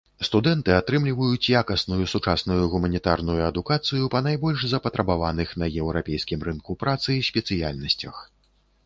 Студэнты атрымліваюць якасную сучасную гуманітарную адукацыю па найбольш запатрабаваных на еўрапейскім рынку працы спецыяльнасцях.